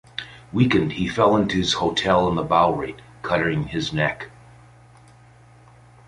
Weakened, he fell in his hotel in the Bowery, cutting his neck.